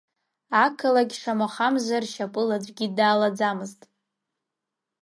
Ақалақь, шамахамзар, шьапыла аӡәгьы далаӡамызт.